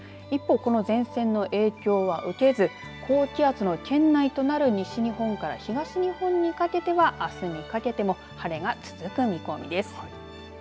一方、この前線の影響は受けず高気圧の圏内となる西日本から東日本にかけてはあすにかけても晴れが続く見込みです。